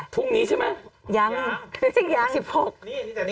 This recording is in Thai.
ทุ่งนี้ใช่ไหม